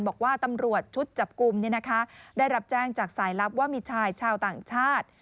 บอกว่าตำรวจชุดจับกลุ่มได้รับแจ้งจากสายลับว่ามีชายชาวต่างชาติ